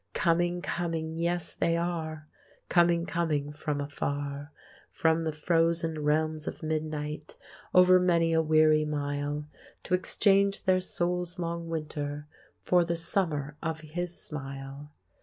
Coming, coming, yes, they are, Coming, coming, from afar; From the frozen realms of midnight, Over many a weary mile, To exchange their soul's long winter For the summer of His smile.